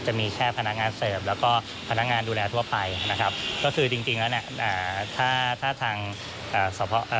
จะมีแค่พนักงานเสิร์ฟแล้วก็พนักงานดูแลทั่วไปนะครับ